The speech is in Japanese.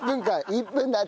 １分。